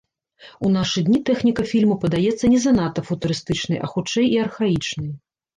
У нашы дні тэхніка фільму падаецца не занадта футурыстычнай, а хутчэй і архаічнай.